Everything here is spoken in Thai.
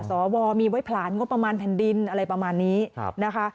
สวมีไว้ผลานงบประมาณแผ่นดินอะไรประมาณนี้นะคะ